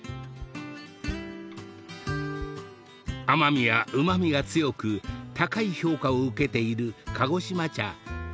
［甘味やうま味が強く高い評価を受けている鹿児島茶］